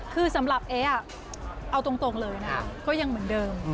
คือสำหรับเอ๊ะเอาตรงเลยนะก็ยังเหมือนเดิม